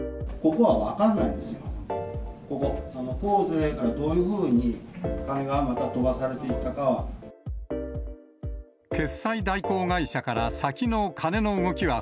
ここ、甲乙丙からどういうふうに金がまた飛ばされていったかは。